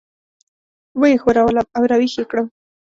وه یې ښورولم او راويښ یې کړم.